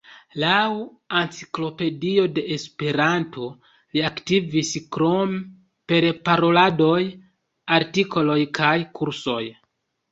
Laŭ "Enciklopedio de Esperanto", li aktivis krome per paroladoj, artikoloj kaj kursoj.